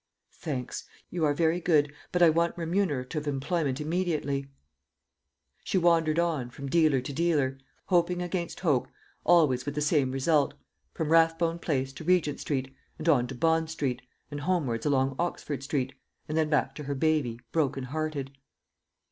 "Thanks. You are very good, but I want remunerative employment immediately." She wandered on from dealer to dealer, hoping against hope always with the same result from Rathbone place to Regent street, and on to Bond street, and homewards along Oxford street, and then back to her baby, broken hearted.